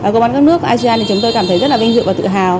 công an các nước asean thì chúng tôi cảm thấy rất là vinh dự và tự hào